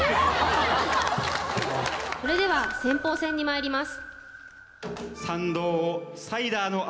それでは先鋒戦にまいります。